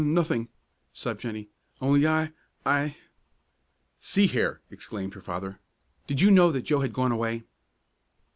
"N nothing," sobbed Jennie, "only I I " "See here!" exclaimed her father, "did you know that Joe had gone away?"